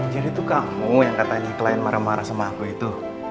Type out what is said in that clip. jadi itu kamu yang katanya klien marah marah sama aku itu